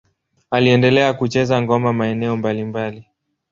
Aliendelea kucheza ngoma maeneo mbalimbali.